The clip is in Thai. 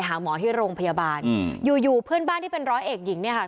หาหมอที่โรงพยาบาลอืมอยู่อยู่เพื่อนบ้านที่เป็นร้อยเอกหญิงเนี่ยค่ะ